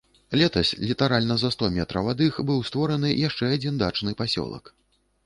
Летась літаральна за сто метраў ад іх быў створаны яшчэ адзін дачны пасёлак.